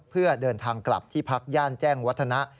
เพื่อเดินทางกลับที่พักย่านแจ้งวัฒนะ